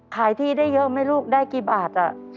ขายที่ได้เยอะไหมลูกได้กี่บาท